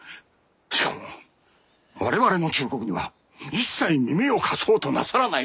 しかも我々の忠告には一切耳を貸そうとなさらない！